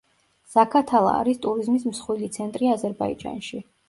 ზაქათალა არის ტურიზმის მსხვილი ცენტრი აზერბაიჯანში.